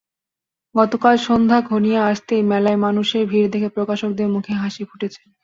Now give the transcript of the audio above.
গতকাল সন্ধ্যা ঘনিয়ে আসতেই মেলায় মানুষের ভিড় দেখে প্রকাশকদের মুখে হাসি ফুটেছে।